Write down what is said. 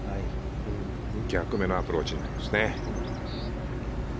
逆目のアプローチになりますね。